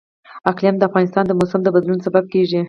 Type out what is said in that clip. اقلیم د افغانستان د موسم د بدلون سبب کېږي.